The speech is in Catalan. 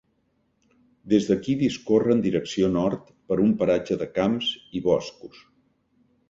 Des d'aquí discorre en direcció nord per un paratge de camps i boscs.